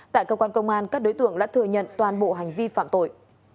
tại cơ quan công an các đối tượng đã thừa nhận toàn bộ hành vi phạm tội